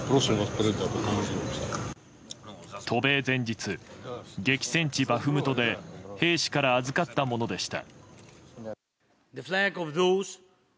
渡米前日、激戦地バフムトで兵士から預かったものでした。